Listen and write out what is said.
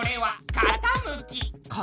かたむき？